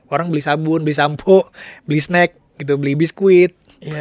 orang beli sabun beli sampo beli snack gitu beli biskuit